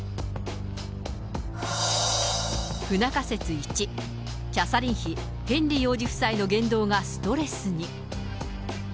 不仲説１、キャサリン妃、ヘンリー王子夫妻の言動がストレスに。